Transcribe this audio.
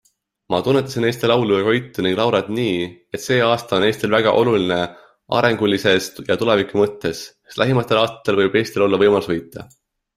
Ma tunnetasin Eesti laulu ja Koitu ning Laurat nii, et see aasta on Eestil väga oluline arengulises ja tuleviku mõttes, sest lähimatel aastatel võib Eestil olla võimalus võita.